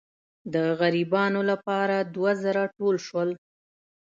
د غریبانو لپاره دوه زره ټول شول.